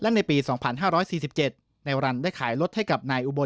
และในปี๒๕๔๗แนวสับได้ขายรถให้กับ